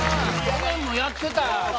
去年もやってた。